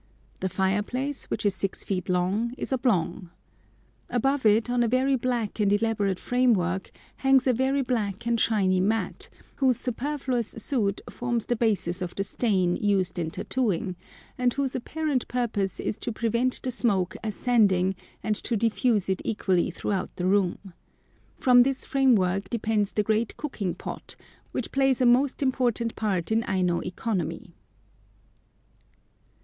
The fireplace, which is six feet long, is oblong. Above it, on a very black and elaborate framework, hangs a very black and shiny mat, whose superfluous soot forms the basis of the stain used in tattooing, and whose apparent purpose is to prevent the smoke ascending, and to diffuse it equally throughout the room. From this framework depends the great cooking pot, which plays a most important part in Aino economy.